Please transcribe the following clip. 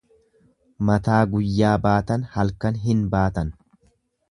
Mataa guyyaa baatan halkan hin baatan.